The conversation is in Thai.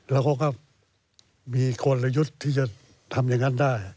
แล้วเขาก็มีกลยุทธ์ที่จะทำอย่างนั้นได้